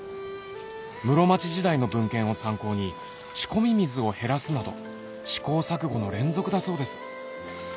室町時代の文献を参考に仕込み水を減らすなど試行錯誤の連続だそうです